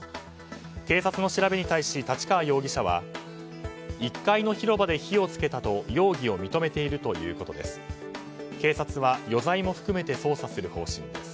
警察の調べに対し太刀川容疑者は１階の広場で火を付けたと容疑を認めているということです。